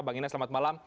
bang inas selamat malam